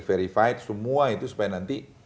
verified semua itu supaya nanti